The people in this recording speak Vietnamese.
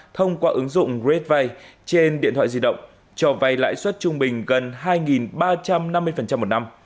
thông qua ứng dụng redvay trên điện thoại di động cho vay lãi suất trung bình gần hai ba trăm năm mươi một năm